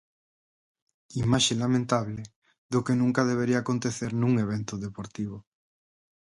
Imaxe lamentable do que nunca debería acontecer nun evento deportivo.